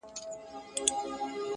زه ښکاري یم زه به دام څنګه پلورمه -